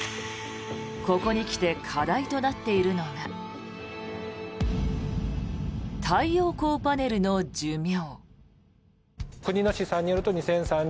ここに来て課題となっているのが太陽光パネルの寿命。